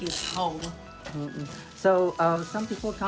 ini adalah rumahnya